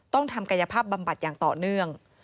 ต้องทำกายภาพบำบัดอย่างต่อเนื่อง